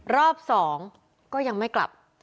รอบ๒ก็ยังไม่กลับ